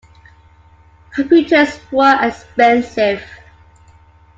Computers were expensive.